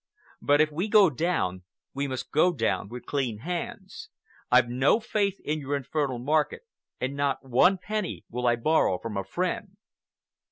But if we go down, we must go down with clean hands. I've no faith in your infernal market, and not one penny will I borrow from a friend."